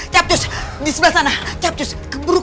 capcus di sebelah sana captus keburu